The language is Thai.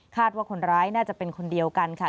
ว่าคนร้ายน่าจะเป็นคนเดียวกันค่ะ